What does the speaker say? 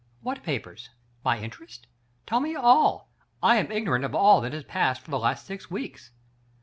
" What papers? My interest ? Tell me all. I am ignorant of all that has passed for the last six weeks."